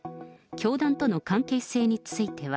教団との関係性については。